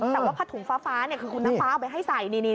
แต่ว่าผ้าถุงฟ้าคือคุณน้ำฟ้าเอาไปให้ใส่